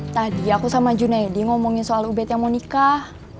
tadi aku sama junaidi ngomongin soal ubed yang mau nikah